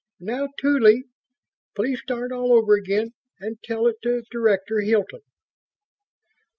Now, Tuly, please start all over again and tell it to Director Hilton."